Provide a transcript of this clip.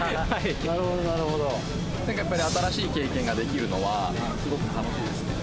なるほどなるほど何かやっぱり新しい経験ができるのはすごく楽しいですね